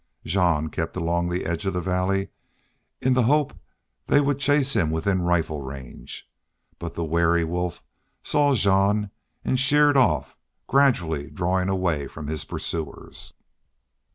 Jean kept along the edge of the valley in the hope they would chase him within range of a rifle. But the wary wolf saw Jean and sheered off, gradually drawing away from his pursuers.